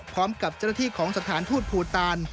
พร้อมกับเจ้าหน้าที่ของสถานทูตภูตาน